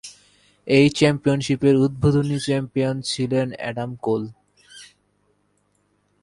এই চ্যাম্পিয়নশিপের উদ্বোধনী চ্যাম্পিয়ন ছিলেন এডাম কোল।